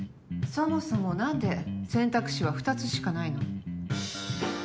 そもそも、何で選択肢は２つしかないの？